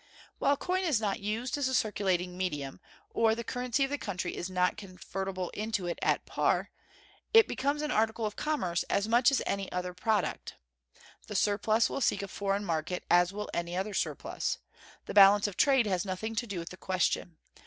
While coin is not used as a circulating medium, or the currency of the country is not convertible into it at par, it becomes an article of commerce as much as any other product. The surplus will seek a foreign market as will any other surplus. The balance of trade has nothing to do with the question.